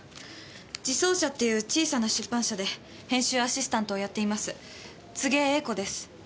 時創舎っていう小さな出版社で編集アシスタントをやっています柘植瑛子です。